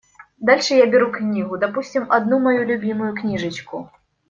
Дальше я беру книгу, допустим, одну мою любимую книжечку.